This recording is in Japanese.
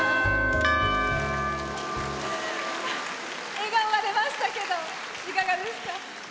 笑顔が出ましたけどいかがですか？